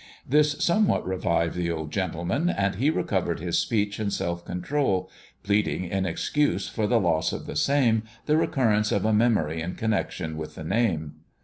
This somewhat revived the old gentleman, and he recovered his speech and self control, pleading in excuse for the loss of the same, the recurrence of a memory in connec tion with the name.